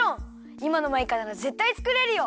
いまのマイカならぜったいつくれるよ！